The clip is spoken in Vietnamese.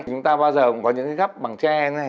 chúng ta bao giờ cũng có những cái gấp bằng tre này